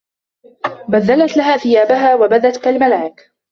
بدّلت لها ثيابها و بدت كالملاك.